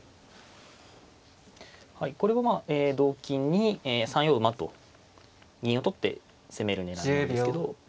はいこれはまあ同金に３四馬と銀を取って攻める狙いなんですけど。